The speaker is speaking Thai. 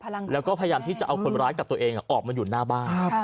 แล้วก็พยายามที่จะเอาคนร้ายกับตัวเองออกมาอยู่หน้าบ้าน